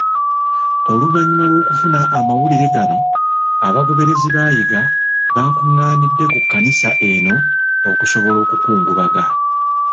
Oluvannyuma lw'okufuna amawulire gano, abagoberezi ba Yiga bakung'anidde ku kkanisa eno okusobola okukungubaga.